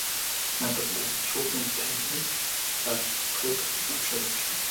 Надад шүүхийн танхим зарлахыг зөвшөөрөөч.